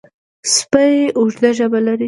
سپي اوږده ژبه لري.